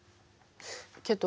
けど。